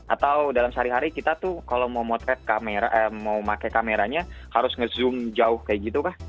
atau dalam sehari hari kita tuh kalau mau memotret kamera mau memakai kameranya harus ngezoom jauh kayak gitu kah